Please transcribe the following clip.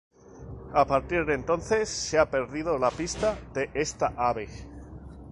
A partir de entonces se ha perdido la pista de esta ave.